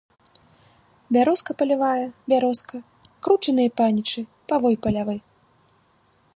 Бярозка палявая, бярозка, кручаныя панічы, павой палявы.